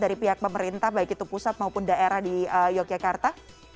dari pihak pemerintah baik itu pusat maupun daerah di yogyakarta